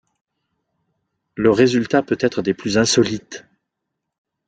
Le résultat peut être des plus insolites.